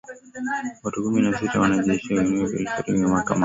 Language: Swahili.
Watu kumi na sita na wanajeshi tisa walifikishwa mahakamani